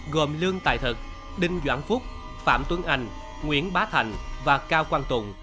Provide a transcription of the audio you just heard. gồm lương tài thật đinh doãn phúc phạm tuấn anh nguyễn bá thành và cao quang tùng